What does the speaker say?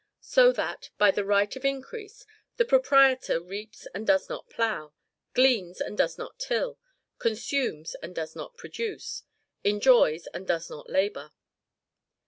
So that, by the right of increase, the proprietor reaps and does not plough; gleans and does not till; consumes and does not produce; enjoys and does not labor.